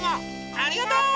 ありがとう！